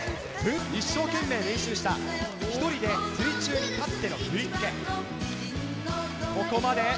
一生懸命練習した１人で水中に立っての振り付け。